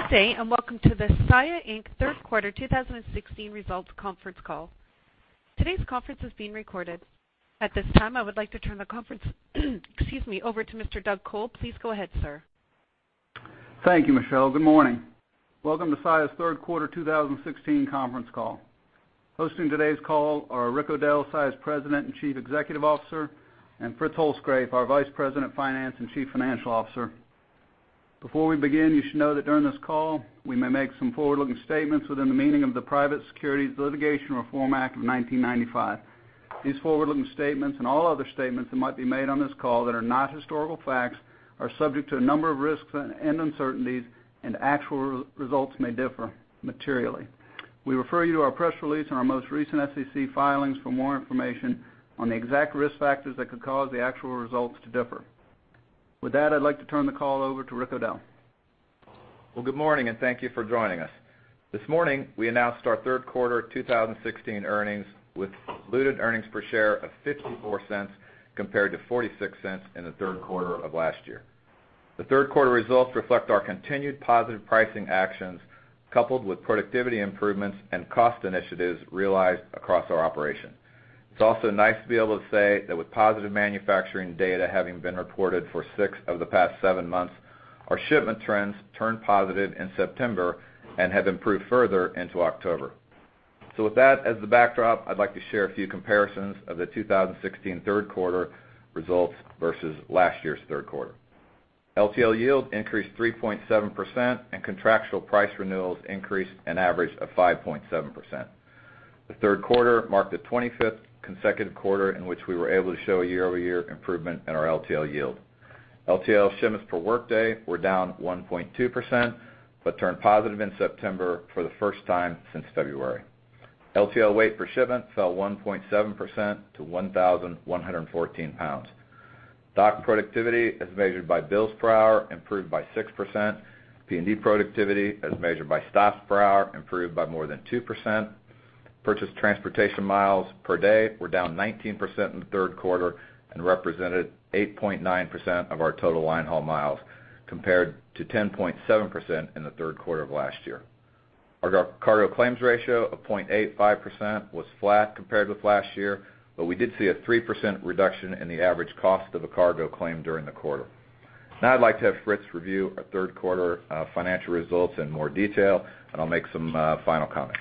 Good day, and welcome to the Saia Inc. Third Quarter 2016 Results Conference Call. Today's conference is being recorded. At this time, I would like to turn the conference, excuse me, over to Mr. Doug Col. Please go ahead, sir. Thank you, Michelle. Good morning. Welcome to Saia's Third Quarter 2016 conference call. Hosting today's call are Rick O'Dell, Saia's President and Chief Executive Officer, and Fritz Holzgrefe, our Vice President of Finance and Chief Financial Officer. Before we begin, you should know that during this call, we may make some forward-looking statements within the meaning of the Private Securities Litigation Reform Act of 1995. These forward-looking statements and all other statements that might be made on this call that are not historical facts, are subject to a number of risks and uncertainties, and actual results may differ materially. We refer you to our press release and our most recent SEC filings for more information on the exact risk factors that could cause the actual results to differ. With that, I'd like to turn the call over to Rick O'Dell. Well, good morning, and thank you for joining us. This morning, we announced our third quarter 2016 earnings, with diluted earnings per share of $0.54 compared to $0.46 in the third quarter of last year. The third quarter results reflect our continued positive pricing actions, coupled with productivity improvements and cost initiatives realized across our operation. It's also nice to be able to say that with positive manufacturing data having been reported for six of the past seven months, our shipment trends turned positive in September and have improved further into October. So with that as the backdrop, I'd like to share a few comparisons of the 2016 third quarter results versus last year's third quarter. LTL yield increased 3.7%, and contractual price renewals increased an average of 5.7%. The third quarter marked the 25th consecutive quarter in which we were able to show a year-over-year improvement in our LTL yield. LTL shipments per workday were down 1.2%, but turned positive in September for the first time since February. LTL weight per shipment fell 1.7% to 1,114 pounds. Dock productivity, as measured by bills per hour, improved by 6%. P&D productivity, as measured by stops per hour, improved by more than 2%. Purchased transportation miles per day were down 19% in the third quarter and represented 8.9% of our total line haul miles, compared to 10.7% in the third quarter of last year. Our cargo claims ratio of 0.85% was flat compared with last year, but we did see a 3% reduction in the average cost of a cargo claim during the quarter. Now I'd like to have Fritz review our third quarter financial results in more detail, and I'll make some final comments.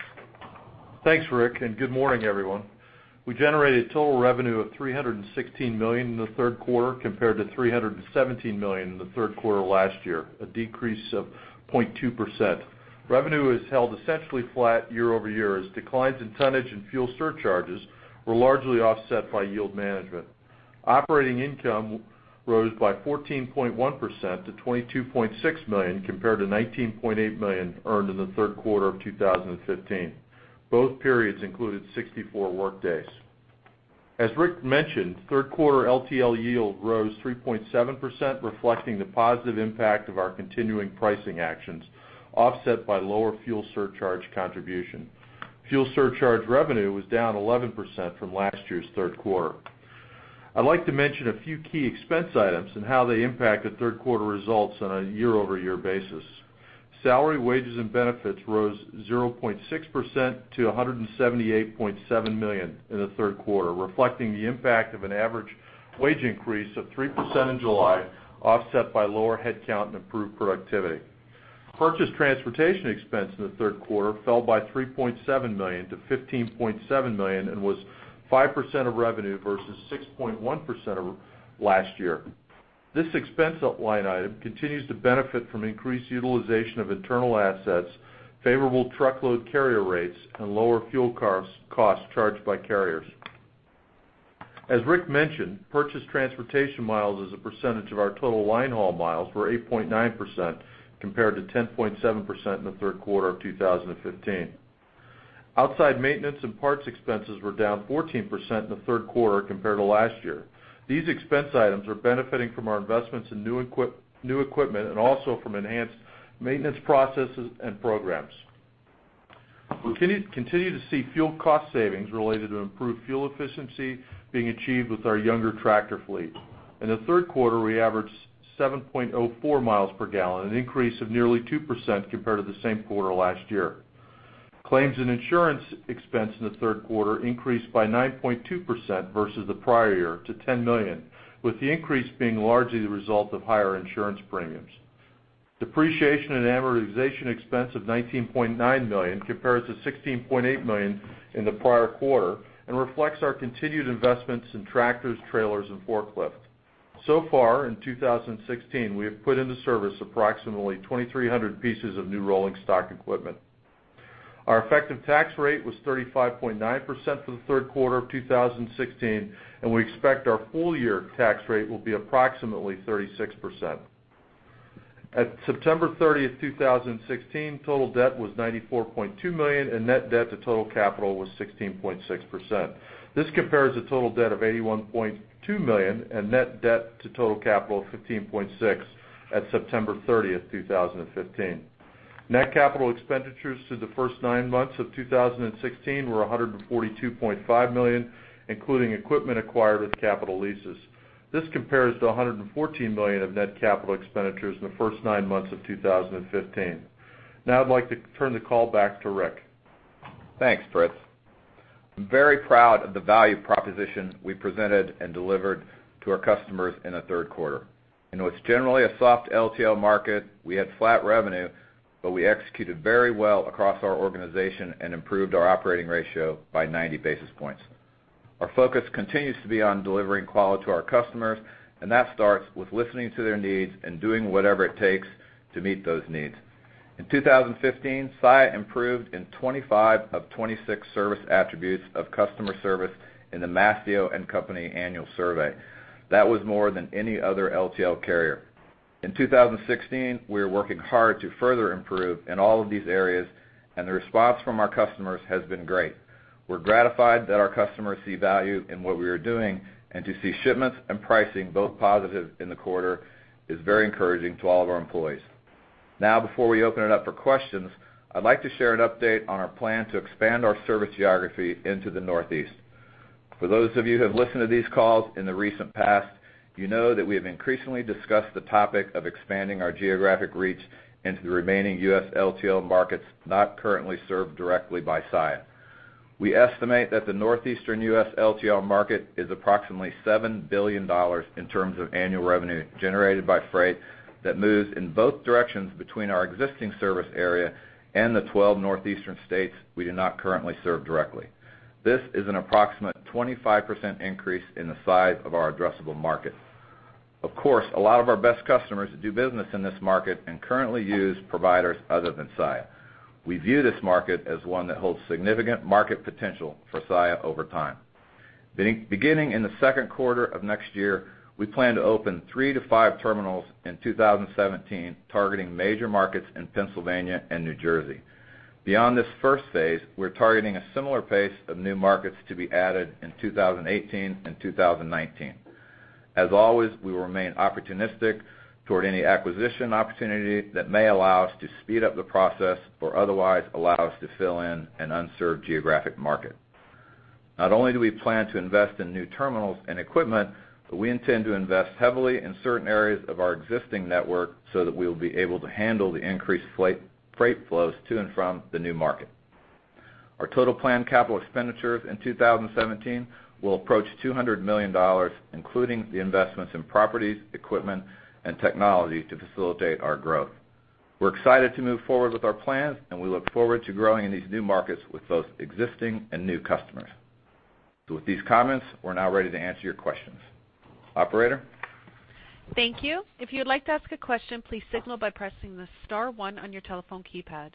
Thanks, Rick, and good morning, everyone. We generated total revenue of $316 million in the third quarter, compared to $317 million in the third quarter last year, a decrease of 0.2%. Revenue is held essentially flat year-over-year, as declines in tonnage and fuel surcharges were largely offset by yield management. Operating income rose by 14.1% to $22.6 million, compared to $19.8 million earned in the third quarter of 2015. Both periods included 64 workdays. As Rick mentioned, third quarter LTL yield rose 3.7%, reflecting the positive impact of our continuing pricing actions, offset by lower fuel surcharge contribution. Fuel surcharge revenue was down 11% from last year's third quarter. I'd like to mention a few key expense items and how they impacted third quarter results on a year-over-year basis. Salary, wages, and benefits rose 0.6% to $178.7 million in the third quarter, reflecting the impact of an average wage increase of 3% in July, offset by lower headcount and improved productivity. Purchased transportation expense in the third quarter fell by $3.7 million-$15.7 million, and was 5% of revenue versus 6.1% of last year. This expense line item continues to benefit from increased utilization of internal assets, favorable truckload carrier rates, and lower fuel costs charged by carriers. As Rick mentioned, purchased transportation miles as a percentage of our total line haul miles were 8.9%, compared to 10.7% in the third quarter of 2015. Outside maintenance and parts expenses were down 14% in the third quarter compared to last year. These expense items are benefiting from our investments in new equipment and also from enhanced maintenance processes and programs. We continue to see fuel cost savings related to improved fuel efficiency being achieved with our younger tractor fleet. In the third quarter, we averaged 7.04 miles per gallon, an increase of nearly 2% compared to the same quarter last year. Claims and insurance expense in the third quarter increased by 9.2% versus the prior year to $10 million, with the increase being largely the result of higher insurance premiums. Depreciation and amortization expense of $19.9 million compares to $16.8 million in the prior quarter and reflects our continued investments in tractors, trailers, and forklifts. So far in 2016, we have put into service approximately 2,300 pieces of new rolling stock equipment. Our effective tax rate was 35.9% for the third quarter of 2016, and we expect our full year tax rate will be approximately 36%. At September 30, 2016, total debt was $94.2 million, and net debt to total capital was 16.6%. This compares to total debt of $81.2 million and net debt to total capital of 15.6% at September 30, 2015. Net capital expenditures through the first nine months of 2016 were $142.5 million, including equipment acquired with capital leases... This compares to $114 million of net capital expenditures in the first nine months of 2015. Now I'd like to turn the call back to Rick. Thanks, Fritz. I'm very proud of the value proposition we presented and delivered to our customers in the third quarter. In what's generally a soft LTL market, we had flat revenue, but we executed very well across our organization and improved our operating ratio by 90 basis points. Our focus continues to be on delivering quality to our customers, and that starts with listening to their needs and doing whatever it takes to meet those needs. In 2015, Saia improved in 25 of 26 service attributes of customer service in the Mastio & Company annual survey. That was more than any other LTL carrier. In 2016, we are working hard to further improve in all of these areas, and the response from our customers has been great. We're gratified that our customers see value in what we are doing, and to see shipments and pricing both positive in the quarter is very encouraging to all of our employees. Now, before we open it up for questions, I'd like to share an update on our plan to expand our service geography into the Northeast. For those of you who have listened to these calls in the recent past, you know that we have increasingly discussed the topic of expanding our geographic reach into the remaining U.S. LTL markets, not currently served directly by Saia. We estimate that the Northeastern U.S. LTL market is approximately $7 billion in terms of annual revenue generated by freight that moves in both directions between our existing service area and the 12 Northeastern states we do not currently serve directly. This is an approximate 25% increase in the size of our addressable market. Of course, a lot of our best customers do business in this market and currently use providers other than Saia. We view this market as one that holds significant market potential for Saia over time. Beginning in the second quarter of next year, we plan to open three to five terminals in 2017, targeting major markets in Pennsylvania and New Jersey. Beyond this first phase, we're targeting a similar pace of new markets to be added in 2018 and 2019. As always, we will remain opportunistic toward any acquisition opportunity that may allow us to speed up the process or otherwise allow us to fill in an unserved geographic market. Not only do we plan to invest in new terminals and equipment, but we intend to invest heavily in certain areas of our existing network so that we will be able to handle the increased LTL freight flows to and from the new market. Our total planned capital expenditures in 2017 will approach $200 million, including the investments in properties, equipment, and technology to facilitate our growth. We're excited to move forward with our plans, and we look forward to growing in these new markets with both existing and new customers. So with these comments, we're now ready to answer your questions. Operator? Thank you. If you'd like to ask a question, please signal by pressing the star one on your telephone keypad.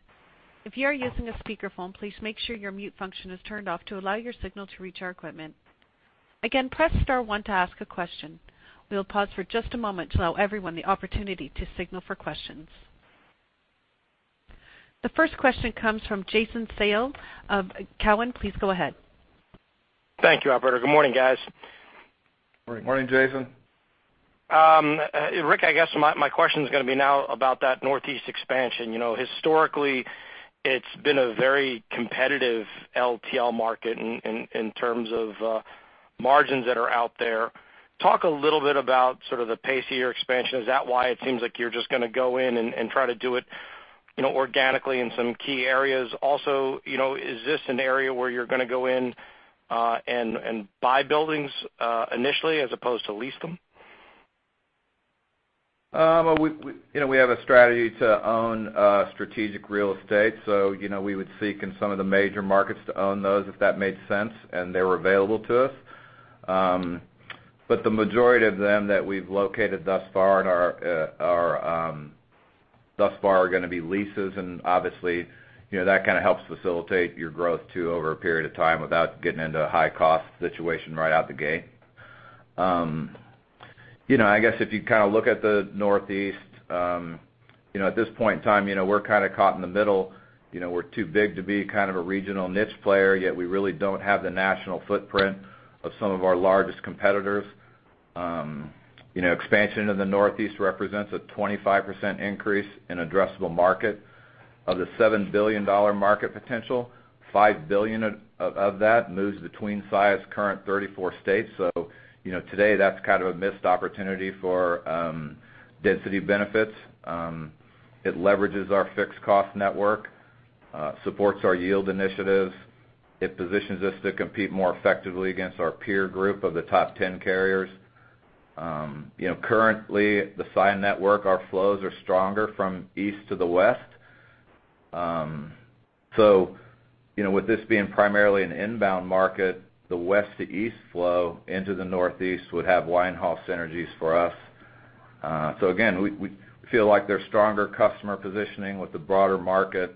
If you are using a speakerphone, please make sure your mute function is turned off to allow your signal to reach our equipment. Again, press star one to ask a question. We'll pause for just a moment to allow everyone the opportunity to signal for questions. The first question comes from Jason Seidl of Cowen. Please go ahead. Thank you, operator. Good morning, guys. Good morning, Jason. Rick, I guess my, my question is going to be now about that Northeast expansion. You know, historically, it's been a very competitive LTL market in terms of margins that are out there. Talk a little bit about sort of the pace of your expansion. Is that why it seems like you're just going to go in and try to do it, you know, organically in some key areas? Also, you know, is this an area where you're going to go in and buy buildings initially, as opposed to lease them? We, you know, we have a strategy to own strategic real estate. So, you know, we would seek in some of the major markets to own those, if that made sense and they were available to us. But the majority of them that we've located thus far in our thus far are going to be leases. And obviously, you know, that kind of helps facilitate your growth, too, over a period of time without getting into a high-cost situation right out the gate. You know, I guess if you kind of look at the Northeast, you know, at this point in time, you know, we're kind of caught in the middle. You know, we're too big to be kind of a regional niche player, yet we really don't have the national footprint of some of our largest competitors. You know, expansion into the Northeast represents a 25% increase in addressable market. Of the $7 billion market potential, $5 billion of that moves between Saia's current 34 states. So, you know, today, that's kind of a missed opportunity for density benefits. It leverages our fixed cost network, supports our yield initiatives. It positions us to compete more effectively against our peer group of the top 10 carriers. You know, currently, the Saia network, our flows are stronger from east to the west. So you know, with this being primarily an inbound market, the west to east flow into the Northeast would have in-house synergies for us. So again, we feel like there's stronger customer positioning with the broader market.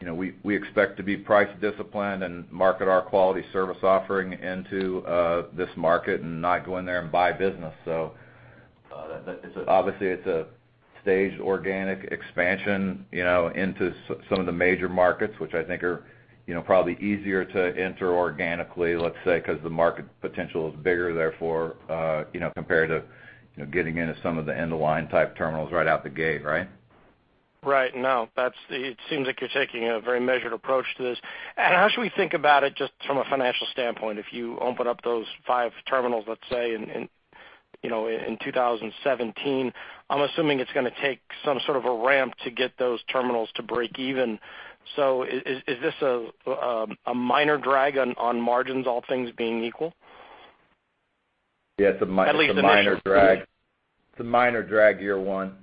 You know, we expect to be price disciplined and market our quality service offering into this market and not go in there and buy business. So, it's obviously a staged organic expansion, you know, into some of the major markets, which I think are, you know, probably easier to enter organically, let's say, because the market potential is bigger, therefore, you know, compared to getting into some of the end-of-line-type terminals right out the gate, right? Right. No, that's it. It seems like you're taking a very measured approach to this. How should we think about it just from a financial standpoint, if you open up those five terminals, let's say, you know, in 2017, I'm assuming it's gonna take some sort of a ramp to get those terminals to break even. So is this a minor drag on margins, all things being equal? Yeah, it's a mi- At least in the next- ....it's a minor drag. It's a minor drag year one.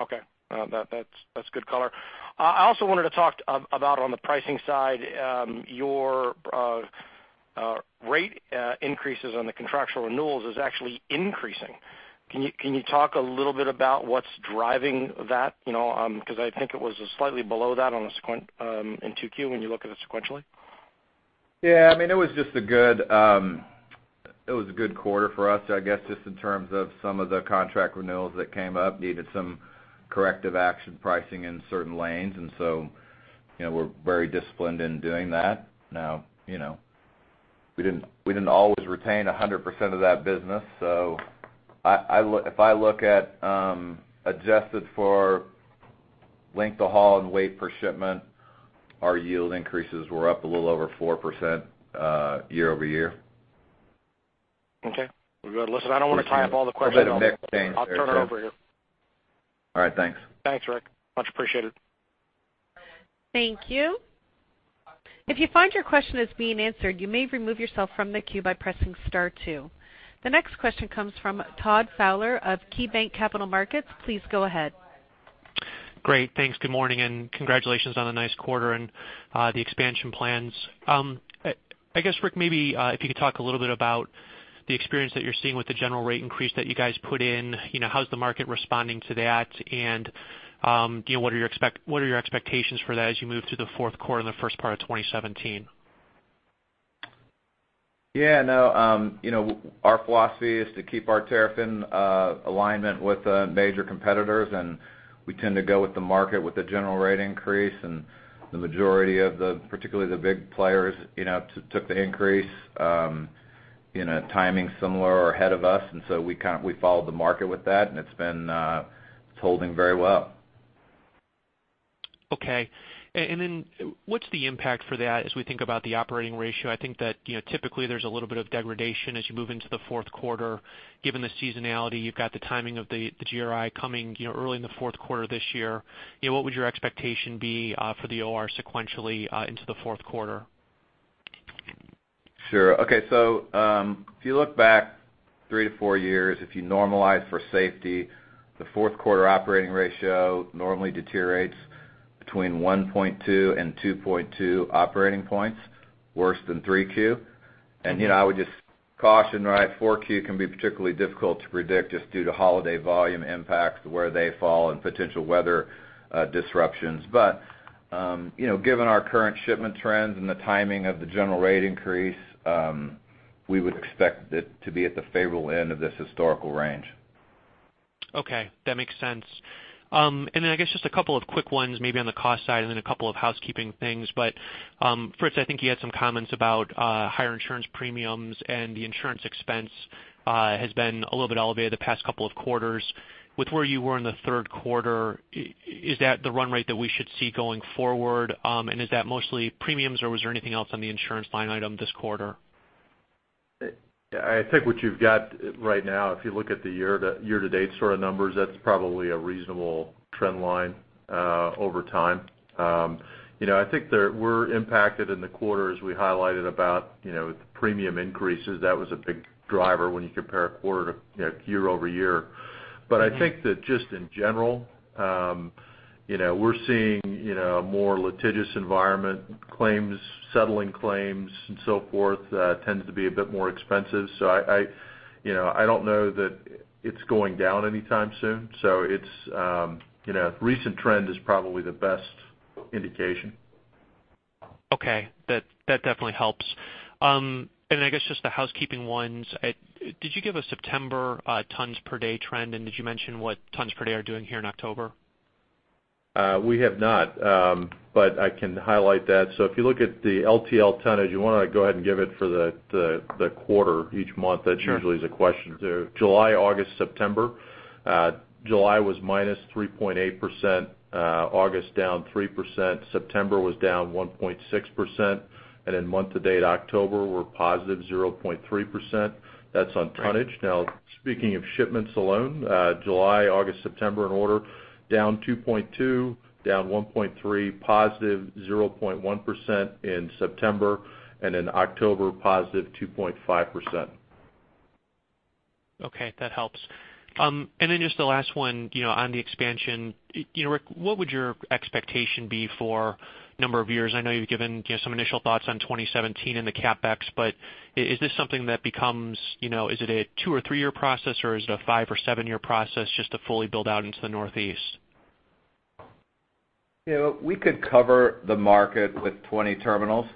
Okay. That's good color. I also wanted to talk about on the pricing side, your rate increases on the contractual renewals is actually increasing. Can you talk a little bit about what's driving that? You know, because I think it was slightly below that on the sequential in 2Q, when you look at it sequentially. Yeah, I mean, it was just a good, it was a good quarter for us, I guess, just in terms of some of the contract renewals that came up, needed some corrective action pricing in certain lanes. And so, you know, we're very disciplined in doing that. Now, you know, we didn't always retain 100% of that business. So, if I look at, adjusted for length of haul and weight per shipment, our yield increases were up a little over 4%, year-over-year. Okay. Well, good. Listen, I don't want to tie up all the questions. A bit of mix change there, too. I'll turn it over here. All right, thanks. Thanks, Rick. Much appreciated. Thank you. If you find your question is being answered, you may remove yourself from the queue by pressing star two. The next question comes from Todd Fowler of KeyBanc Capital Markets. Please go ahead. Great, thanks. Good morning, and congratulations on a nice quarter and the expansion plans. I guess, Rick, maybe if you could talk a little bit about the experience that you're seeing with the general rate increase that you guys put in. You know, how's the market responding to that? And you know, what are your expectations for that as you move to the fourth quarter and the first part of 2017? Yeah, no, you know, our philosophy is to keep our tariff in alignment with the major competitors, and we tend to go with the market with the general rate increase. And the majority of the, particularly the big players, you know, took the increase in a timing similar or ahead of us. And so we kind of, we followed the market with that, and it's been, it's holding very well. Okay. And then what's the impact for that as we think about the operating ratio? I think that, you know, typically there's a little bit of degradation as you move into the fourth quarter. Given the seasonality, you've got the timing of the GRI coming, you know, early in the fourth quarter this year. You know, what would your expectation be for the OR sequentially into the fourth quarter? Sure. Okay, so, if you look back three to four years, if you normalize for safety, the fourth quarter operating ratio normally deteriorates between 1.2 and 2.2 operating points, worse than 3Q. And, you know, I would just caution, right, 4Q can be particularly difficult to predict just due to holiday volume impacts, where they fall and potential weather disruptions. But, you know, given our current shipment trends and the timing of the general rate increase, we would expect it to be at the favorable end of this historical range. Okay, that makes sense. And then I guess just a couple of quick ones, maybe on the cost side and then a couple of housekeeping things. But first, I think you had some comments about higher insurance premiums, and the insurance expense has been a little bit elevated the past couple of quarters. With where you were in the third quarter, is that the run rate that we should see going forward? And is that mostly premiums, or was there anything else on the insurance line item this quarter? I think what you've got right now, if you look at the year-to-date sort of numbers, that's probably a reasonable trend line over time. You know, I think there... We're impacted in the quarter, as we highlighted, about, you know, the premium increases. That was a big driver when you compare a quarter to, you know, year-over-year. But I think that just in general, you know, we're seeing, you know, a more litigious environment, claims, settling claims and so forth, tends to be a bit more expensive. So I you know, I don't know that it's going down anytime soon, so it's, you know, recent trend is probably the best indication. Okay. That, that definitely helps. I guess just the housekeeping ones. Did you give a September tons per day trend, and did you mention what tons per day are doing here in October? We have not, but I can highlight that. So if you look at the LTL tonnage, you want to go ahead and give it for the quarter each month- Sure. - That's usually the question. July, August, September. July was -3.8%, August down 3%, September was down 1.6%, and then month to date, October, we're +0.3%. Right. That's on tonnage. Now, speaking of shipments alone, July, August, September, in order, down 2.2, down 1.3, positive 0.1% in September, and then October, positive 2.5%. Okay, that helps. And then just the last one, you know, on the expansion. You know, Rick, what would your expectation be for number of years? I know you've given, you know, some initial thoughts on 2017 and the CapEx, but is this something that becomes, you know, is it a two or three-year process, or is it a five or seven-year process just to fully build out into the Northeast? You know, we could cover the market with 20 terminals.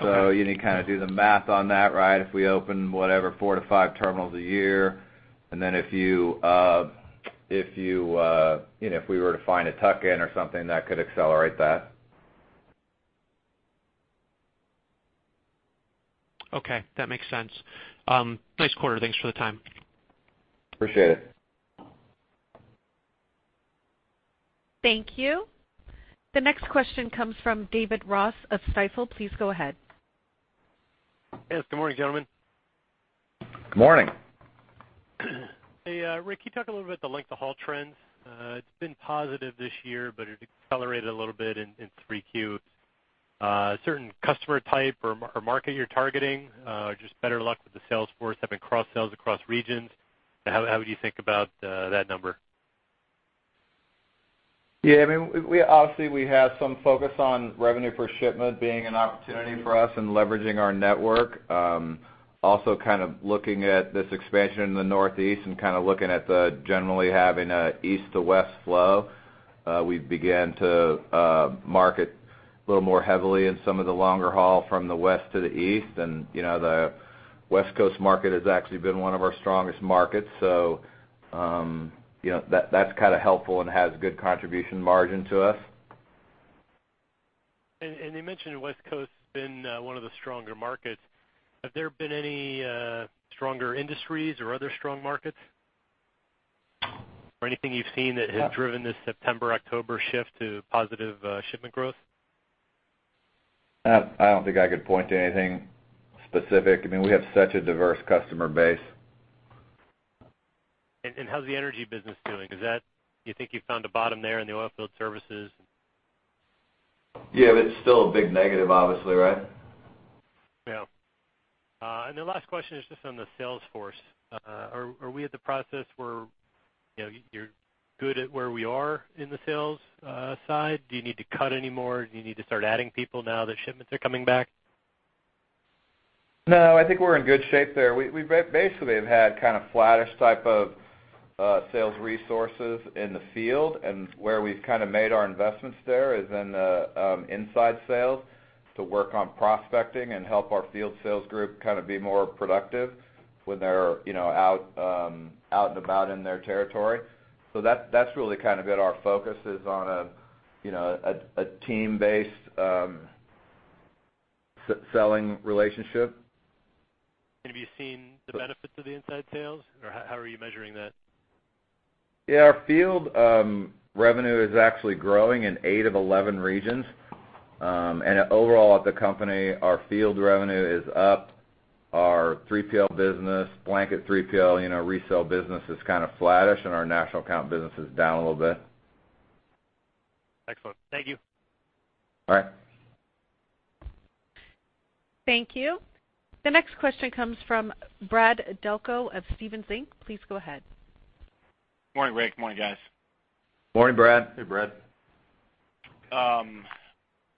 Okay. You need to kind of do the math on that, right? If we open, whatever, four to five terminals a year, and then if you, you know, if we were to find a tuck-in or something, that could accelerate that. Okay, that makes sense. Nice quarter. Thanks for the time. Appreciate it. Thank you. The next question comes from David Ross of Stifel. Please go ahead. Yes, good morning, gentlemen. Good morning. Hey, Rick, can you talk a little bit the length of haul trends? It's been positive this year, but it accelerated a little bit in 3Q. Certain customer type or market you're targeting, just better luck with the sales force, having cross sales across regions. How would you think about that number? Yeah, I mean, we, obviously, we have some focus on revenue per shipment being an opportunity for us and leveraging our network. Also, kind of looking at this expansion in the Northeast and kind of looking at the generally having an east to west flow. We've began to market a little more heavily in some of the longer haul from the west to the east. And, you know, the West Coast market has actually been one of our strongest markets, so, you know, that's kind of helpful and has good contribution margin to us. And you mentioned the West Coast has been one of the stronger markets. Have there been any stronger industries or other stro`ng markets? Or anything you've seen that has driven this September, October shift to positive shipment growth? I don't think I could point to anything specific. I mean, we have such a diverse customer base. And how's the energy business doing? Is that... Do you think you've found a bottom there in the oilfield services? Yeah, but it's still a big negative, obviously, right? Yeah. And the last question is just on the sales force. Are we at the process where, you know, you're good at where we are in the sales side? Do you need to cut any more? Do you need to start adding people now that shipments are coming back? No, I think we're in good shape there. We basically have had kind of flattish type of sales resources in the field, and where we've kind of made our investments there is in inside sales to work on prospecting and help our field sales group kind of be more productive when they're, you know, out and about in their territory. So that's really kind of been our focus, is on a, you know, a team-based selling relationship. Have you seen the benefits of the inside sales, or how, how are you measuring that? Yeah, our field, revenue is actually growing in eight of 11 regions. And overall at the company, our field revenue is up. Our 3PL business, blanket 3PL, you know, resale business is kind of flattish, and our national account business is down a little bit. Excellent. Thank you. All right. Thank you. The next question comes from Brad Delco of Stephens Inc. Please go ahead. Good morning, Rick. Good morning, guys. Morning, Brad. Hey, Brad.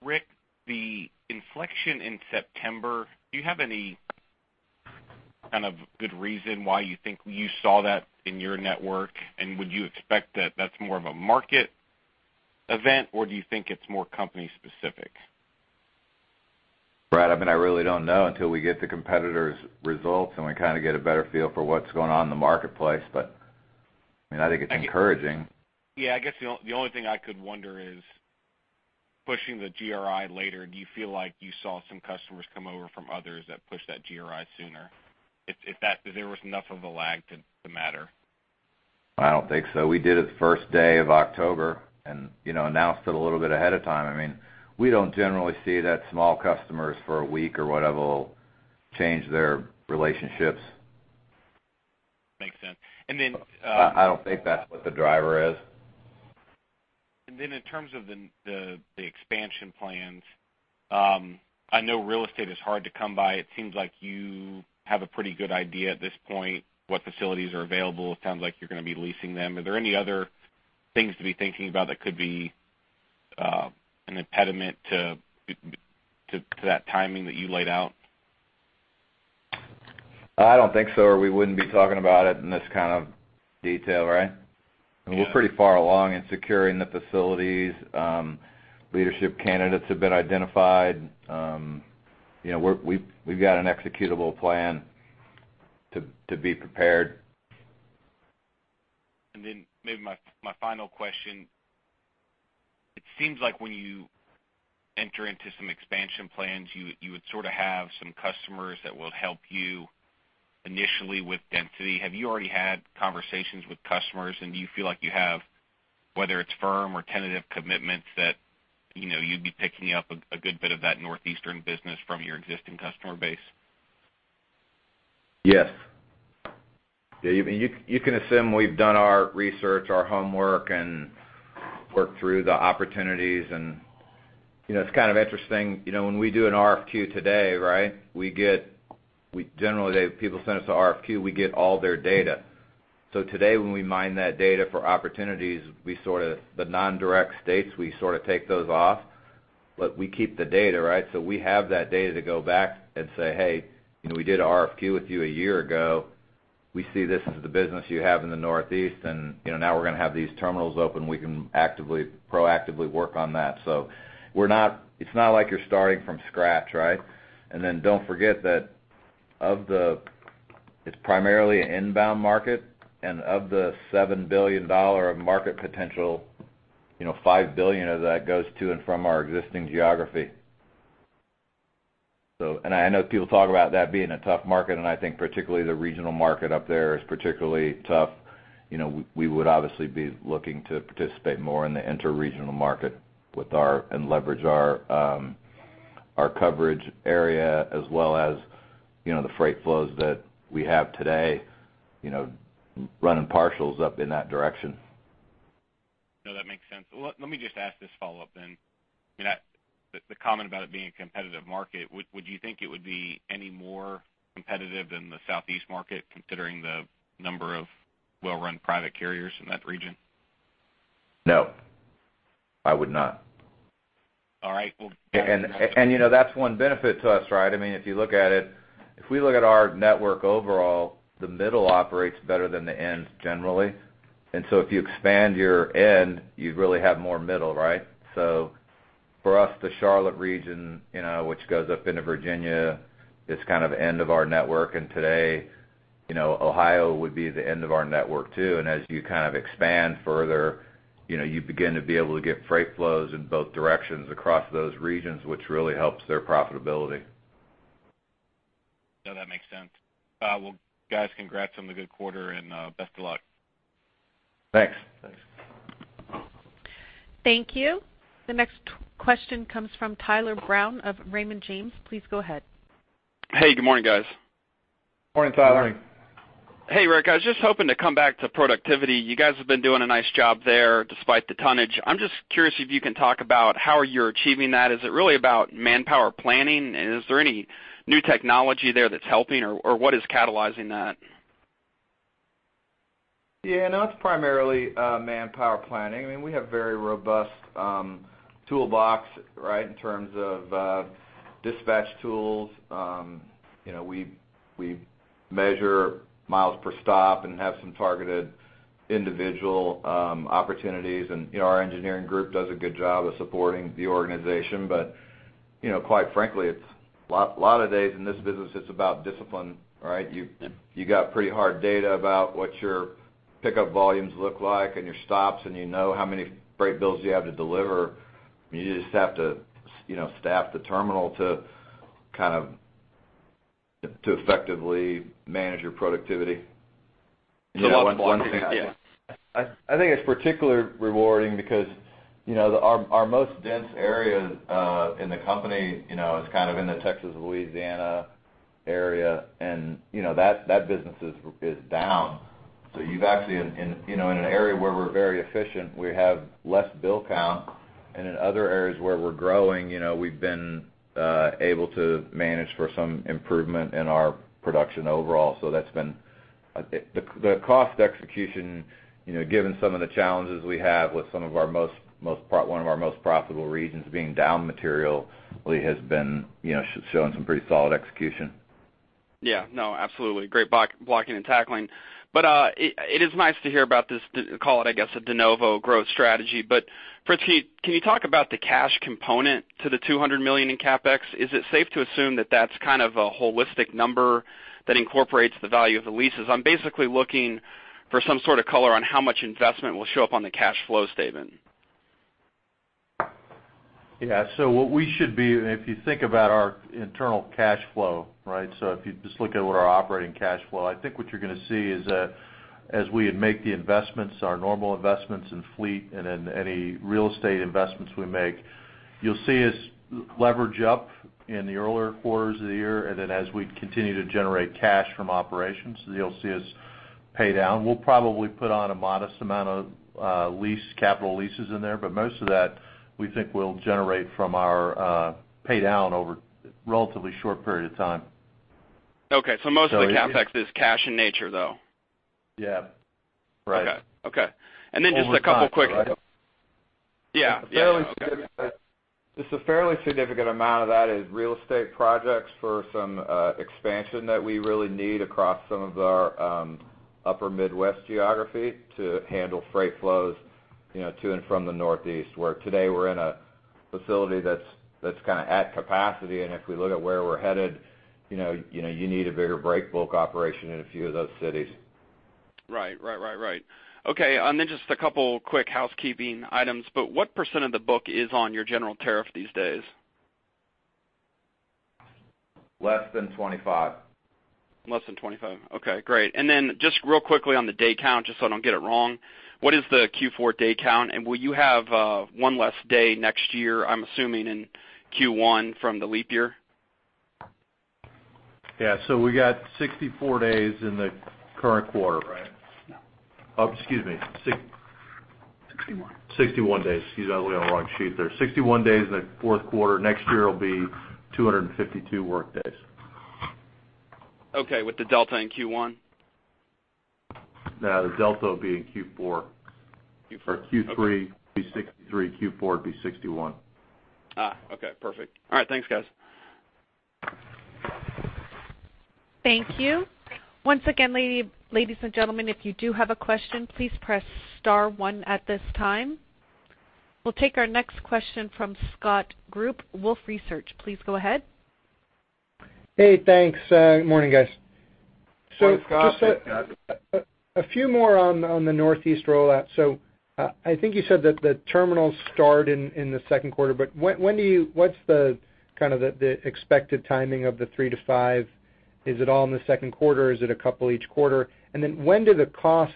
Rick, the inflection in September, do you have any kind of good reason why you think you saw that in your network? And would you expect that that's more of a market event, or do you think it's more company specific? Brad, I mean, I really don't know until we get the competitors' results, and we kind of get a better feel for what's going on in the marketplace. But, I mean, I think it's encouraging. Yeah, I guess the only thing I could wonder is, pushing the GRI later, do you feel like you saw some customers come over from others that pushed that GRI sooner? If that there was enough of a lag to matter. I don't think so. We did it the first day of October and, you know, announced it a little bit ahead of time. I mean, we don't generally see that small customers for a week or whatever will change their relationships. Makes sense. And then, I don't think that's what the driver is. And then in terms of the expansion plans, I know real estate is hard to come by. It seems like you have a pretty good idea at this point what facilities are available. It sounds like you're going to be leasing them. Are there any other things to be thinking about that could be an impediment to that timing that you laid out? I don't think so, or we wouldn't be talking about it in this kind of detail, right? Yeah. We're pretty far along in securing the facilities. Leadership candidates have been identified. You know, we've got an executable plan to be prepared. And then maybe my final question: It seems like when you enter into some expansion plans, you would sort of have some customers that will help you initially with density. Have you already had conversations with customers, and do you feel like you have, whether it's firm or tentative commitments that, you know, you'd be picking up a good bit of that Northeastern business from your existing customer base? Yes. Yeah, you can assume we've done our research, our homework, and worked through the opportunities. And, you know, it's kind of interesting, you know, when we do an RFQ today, right, we get... We generally, people send us an RFQ, we get all their data. So today, when we mine that data for opportunities, we sort of, the non-direct states, we sort of take those off, but we keep the data, right? So we have that data to go back and say, "Hey, you know, we did an RFQ with you a year ago. We see this as the business you have in the Northeast, and, you know, now we're going to have these terminals open. We can actively, proactively work on that." So we're not. It's not like you're starting from scratch, right? And then don't forget that of the-... It's primarily an inbound market, and of the $7 billion of market potential, you know, $5 billion of that goes to and from our existing geography. So, and I know people talk about that being a tough market, and I think particularly the regional market up there is particularly tough. You know, we, we would obviously be looking to participate more in the interregional market with our, and leverage our, our coverage area as well as, you know, the freight flows that we have today, you know, running partials up in that direction. No, that makes sense. Well, let me just ask this follow-up then. You know, the comment about it being a competitive market, would you think it would be any more competitive than the Southeast market, considering the number of well-run private carriers in that region? No, I would not. All right. Well- And you know, that's one benefit to us, right? I mean, if you look at it, if we look at our network overall, the middle operates better than the ends generally. And so if you expand your end, you'd really have more middle, right? So for us, the Charlotte region, you know, which goes up into Virginia, is kind of end of our network. And today, you know, Ohio would be the end of our network, too. And as you kind of expand further, you know, you begin to be able to get freight flows in both directions across those regions, which really helps their profitability. No, that makes sense. Well, guys, congrats on the good quarter, and best of luck. Thanks. Thanks. Thank you. The next question comes from Tyler Brown of Raymond James. Please go ahead. Hey, good morning, guys. Morning, Tyler. Morning. Hey, Rick, I was just hoping to come back to productivity. You guys have been doing a nice job there despite the tonnage. I'm just curious if you can talk about how you're achieving that. Is it really about manpower planning? And is there any new technology there that's helping, or, or what is catalyzing that? Yeah, no, it's primarily manpower planning. I mean, we have very robust toolbox, right, in terms of dispatch tools. You know, we measure miles per stop and have some targeted individual opportunities. And, you know, our engineering group does a good job of supporting the organization. But, you know, quite frankly, it's a lot of days in this business, it's about discipline, right? You got pretty hard data about what your pickup volumes look like and your stops, and you know how many freight bills you have to deliver. You just have to staff the terminal to kind of effectively manage your productivity. Yeah. I think it's particularly rewarding because, you know, our most dense areas in the company, you know, is kind of in the Texas, Louisiana area, and, you know, that business is down. So you've actually in, you know, in an area where we're very efficient, we have less bill count, and in other areas where we're growing, you know, we've been able to manage for some improvement in our production overall. So that's been... The cost execution, you know, given some of the challenges we have with some of our most one of our most profitable regions being down materially, has been, you know, showing some pretty solid execution. Yeah. No, absolutely. Great blocking and tackling. But it is nice to hear about this, call it, I guess, a de novo growth strategy. But Fritz, can you talk about the cash component to the $200 million in CapEx? Is it safe to assume that that's kind of a holistic number that incorporates the value of the leases? I'm basically looking for some sort of color on how much investment will show up on the cash flow statement. Yeah. So what we should be, and if you think about our internal cash flow, right? So if you just look at what our operating cash flow, I think what you're going to see is that as we make the investments, our normal investments in fleet and in any real estate investments we make, you'll see us leverage up in the earlier quarters of the year. And then as we continue to generate cash from operations, you'll see us pay down. We'll probably put on a modest amount of lease, capital leases in there, but most of that, we think will generate from our pay down over a relatively short period of time. Okay. So most of the CapEx is cash in nature, though? Yeah. Right. Okay, okay. Only time, right? And then just a couple quick... Yeah, yeah. Just a fairly significant amount of that is real estate projects for some expansion that we really need across some of our upper Midwest geography to handle freight flows, you know, to and from the Northeast, where today we're in a facility that's kind of at capacity. And if we look at where we're headed, you know, you need a bigger break bulk operation in a few of those cities. Right. Right, right, right. Okay, and then just a couple quick housekeeping items, but what percent of the book is on your general tariff these days? Less than 25%. Less than 25%. Okay, great. And then just real quickly on the day count, just so I don't get it wrong, what is the Q4 day count? And will you have 1 less day next year, I'm assuming, in Q1 from the leap year? Yeah. So we got 64 days in the current quarter, right? No. Oh, excuse me, six- 61. 61 days. Excuse me, I was looking at the wrong sheet there. 61 days in the fourth quarter. Next year will be 252 workdays. Okay, with the delta in Q1? No, the delta will be in Q4. Q4, okay. OR Q3 be 63, Q4 will be 61. Ah, okay, perfect. All right. Thanks, guys. Thank you. Once again, ladies and gentlemen, if you do have a question, please press star one at this time.... We'll take our next question from Scott Group, Wolfe Research. Please go ahead. Hey, thanks. Good morning, guys. Good morning, Scott. So just a few more on the Northeast rollout. So, I think you said that the terminals start in the second quarter, but when do you—what's the kind of expected timing of the three to five? Is it all in the second quarter, or is it a couple each quarter? And then when do the costs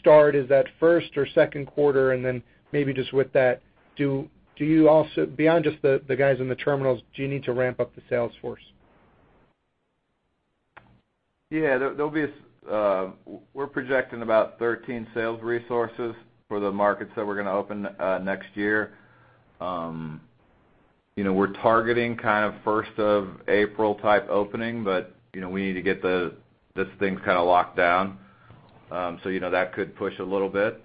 start? Is that first or second quarter? And then maybe just with that, do you also—beyond just the guys in the terminals, do you need to ramp up the sales force? Yeah, there, there'll be, we're projecting about 13 sales resources for the markets that we're gonna open, next year. You know, we're targeting kind of first of April type opening, but, you know, we need to get the, this things kind of locked down. So, you know, that could push a little bit.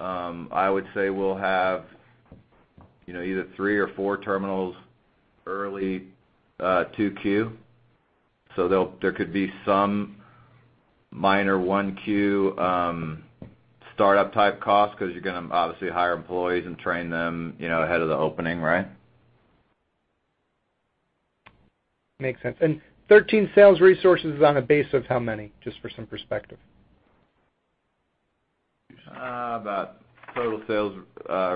I would say we'll have, you know, either three or four terminals early, 2Q. So there'll, there could be some minor 1Q, startup type costs, 'cause you're gonna obviously hire employees and train them, you know, ahead of the opening, right? Makes sense. And 13 sales resources is on a base of how many? Just for some perspective. About total sales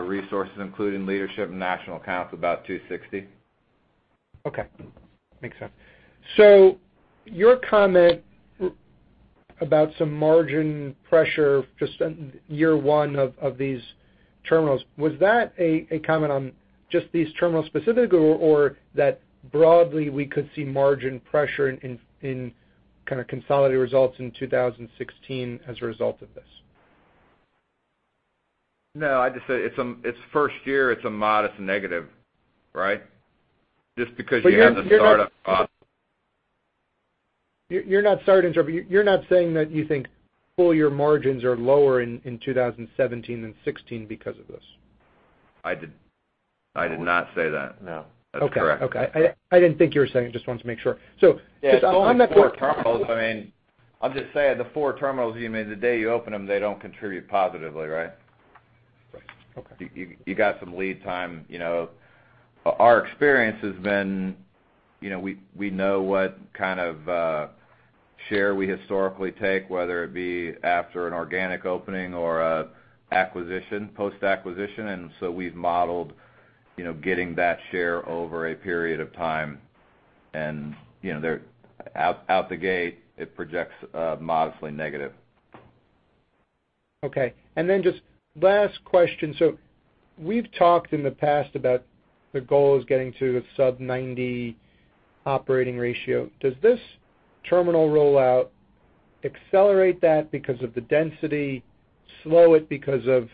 resources, including leadership and national accounts, about 260. Okay. Makes sense. So your comment about some margin pressure just in year one of these terminals, was that a comment on just these terminals specifically, or that broadly, we could see margin pressure in kind of consolidated results in 2016 as a result of this? No, I just said it's, it's first year, it's a modest negative, right? Just because you have the startup costs. You're not saying that you think full year margins are lower in 2017 than 2016 because of this? I did not say that. No, that's correct. Okay. Okay. I didn't think you were saying it, just wanted to make sure. So just on the four- Yeah, I mean, I'm just saying the four terminals, you mean the day you open them, they don't contribute positively, right? Right. Okay. You got some lead time, you know. Our experience has been, you know, we know what kind of share we historically take, whether it be after an organic opening or an acquisition, post-acquisition. And, you know, they're out of the gate, it projects modestly negative. Okay. And then just last question. So we've talked in the past about the goal is getting to a sub-90 operating ratio. Does this terminal rollout accelerate that because of the density, slow it because of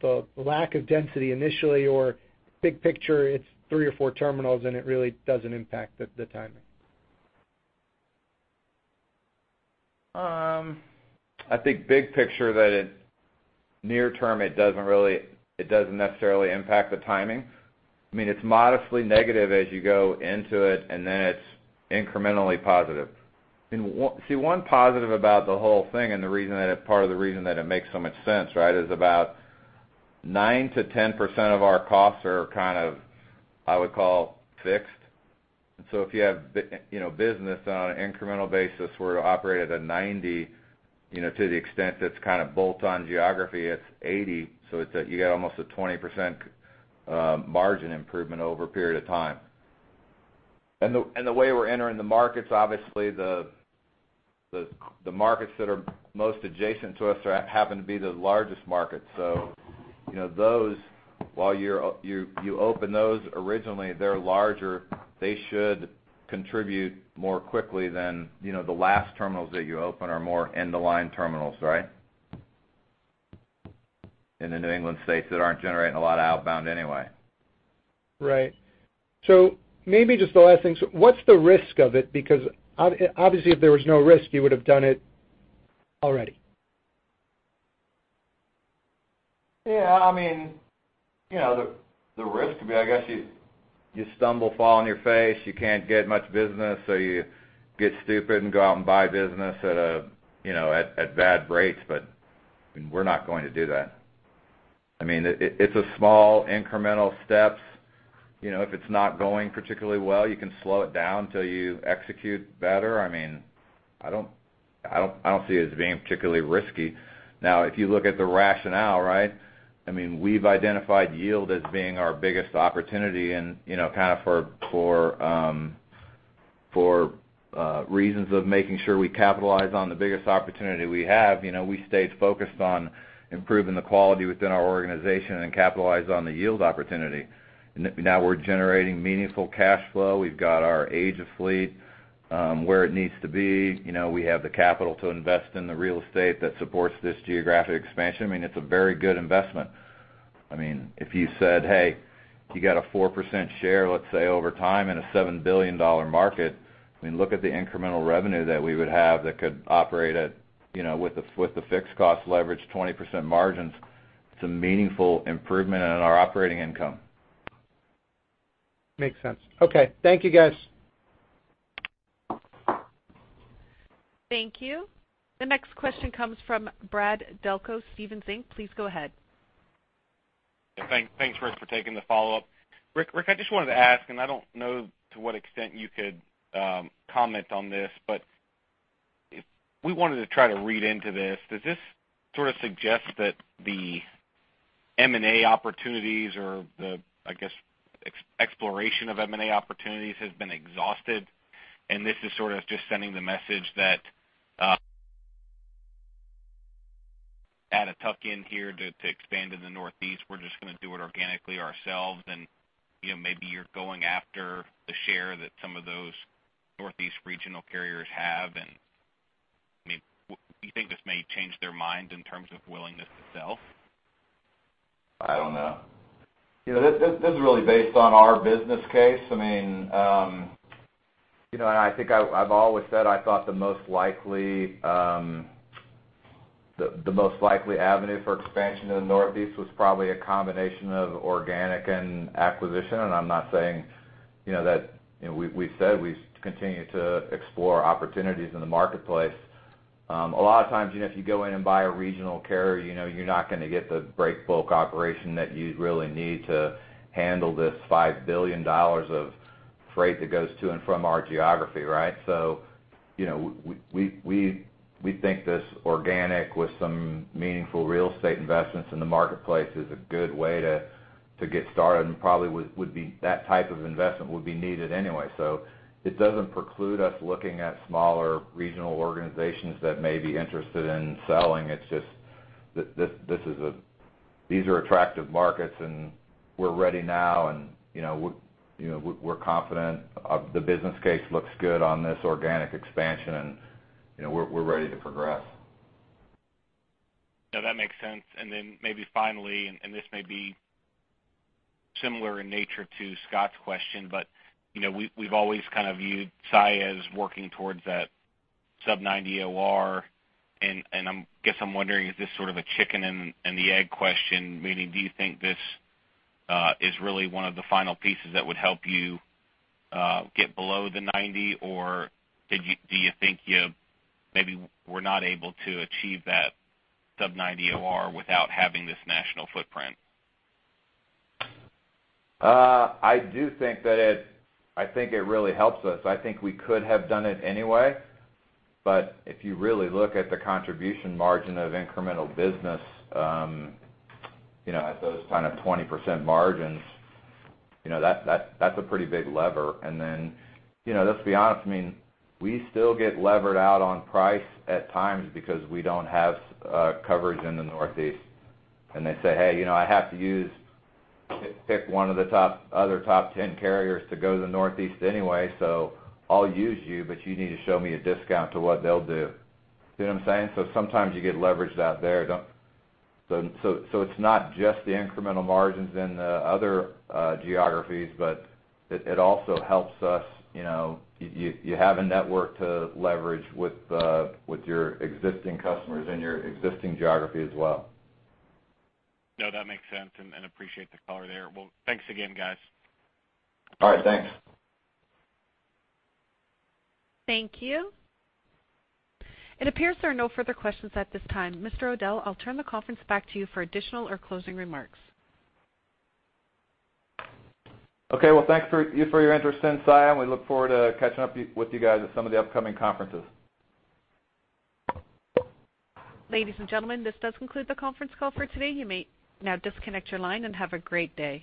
the lack of density initially, or big picture, it's three or four terminals, and it really doesn't impact the timing? I think big picture, that near term, it doesn't really, it doesn't necessarily impact the timing. I mean, it's modestly negative as you go into it, and then it's incrementally positive. And one positive about the whole thing and the reason that it, part of the reason that it makes so much sense, right, is about 9%-10% of our costs are kind of, I would call fixed. So if you have business on an incremental basis were to operate at a 90, you know, to the extent that it's kind of bolt-on geography, it's 80, so it's, you get almost a 20% margin improvement over a period of time. And the way we're entering the markets, obviously, the markets that are most adjacent to us happen to be the largest markets. So, you know, those while you open those originally, they're larger, they should contribute more quickly than, you know, the last terminals that you open are more end-of-line terminals, right? In the New England states that aren't generating a lot of outbound anyway. Right. So maybe just the last thing. So what's the risk of it? Because obviously, if there was no risk, you would have done it already. Yeah, I mean, you know, the risk could be, I guess, you stumble, fall on your face, you can't get much business, so you get stupid and go out and buy business at a, you know, at bad rates, but, and we're not going to do that. I mean, it's a small incremental steps, you know, if it's not going particularly well, you can slow it down till you execute better. I mean, I don't see it as being particularly risky. Now, if you look at the rationale, right? I mean, we've identified yield as being our biggest opportunity and, you know, kind of for reasons of making sure we capitalize on the biggest opportunity we have, you know, we stayed focused on improving the quality within our organization and capitalize on the yield opportunity. Now we're generating meaningful cash flow. We've got our age of fleet where it needs to be. You know, we have the capital to invest in the real estate that supports this geographic expansion. I mean, it's a very good investment. I mean, if you said, "Hey, you got a 4% share, let's say, over time in a $7 billion market," I mean, look at the incremental revenue that we would have that could operate at, you know, with the, with the fixed cost leverage, 20% margins. It's a meaningful improvement in our operating income. Makes sense. Okay. Thank you, guys. Thank you. The next question comes from Brad Delco, Stephens Inc. Please go ahead. Thanks, thanks, Rick, for taking the follow-up. Rick, Rick, I just wanted to ask, and I don't know to what extent you could comment on this, but if we wanted to try to read into this, does this sort of suggest that the M&A opportunities or the, I guess, exploration of M&A opportunities has been exhausted, and this is sort of just sending the message that add a tuck-in here to, to expand in the Northeast, we're just gonna do it organically ourselves? And, you know, maybe you're going after the share that some of those Northeast regional carriers have, and, I mean, do you think this may change their mind in terms of willingness to sell? I don't know. You know, this is really based on our business case. I mean, you know, and I think I've always said I thought the most likely avenue for expansion in the Northeast was probably a combination of organic and acquisition. And I'm not saying, you know, that, you know, we said we continue to explore opportunities in the marketplace. A lot of times, you know, if you go in and buy a regional carrier, you know you're not gonna get the great bulk operation that you'd really need to handle this $5 billion of freight that goes to and from our geography, right? So, you know, we think this organic with some meaningful real estate investments in the marketplace is a good way to get started, and probably that type of investment would be needed anyway. So it doesn't preclude us looking at smaller regional organizations that may be interested in selling. It's just that these are attractive markets, and we're ready now, and, you know, we're confident of the business case looks good on this organic expansion, and, you know, we're ready to progress. No, that makes sense. And then maybe finally, this may be similar in nature to Scott's question, but, you know, we've always kind of viewed Saia as working towards that sub-90 OR, and I'm guess I'm wondering, is this sort of a chicken-and-the-egg question? Meaning, do you think this is really one of the final pieces that would help you get below the 90, or did you do you think you maybe were not able to achieve that sub-90 OR without having this national footprint? I do think that it. I think it really helps us. I think we could have done it anyway, but if you really look at the contribution margin of incremental business, you know, at those kind of 20% margins, you know, that's a pretty big lever. And then, you know, let's be honest, I mean, we still get levered out on price at times because we don't have coverage in the Northeast. And they say, "Hey, you know, I have to use, pick one of the other top ten carriers to go to the Northeast anyway, so I'll use you, but you need to show me a discount to what they'll do." You know what I'm saying? So sometimes you get leveraged out there, don't. So it's not just the incremental margins in the other geographies, but it also helps us, you know, you have a network to leverage with your existing customers in your existing geography as well. No, that makes sense, and appreciate the color there. Well, thanks again, guys. All right, thanks. Thank you. It appears there are no further questions at this time. Mr. O'Dell, I'll turn the conference back to you for additional or closing remarks. Okay, well, thanks for your interest in Saia, and we look forward to catching up with you guys at some of the upcoming conferences. Ladies and gentlemen, this does conclude the conference call for today. You may now disconnect your line and have a great day.